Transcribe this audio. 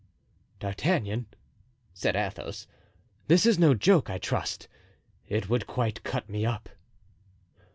"D'Artagnan," said Athos, "this is no joke, I trust? It would quite cut me up."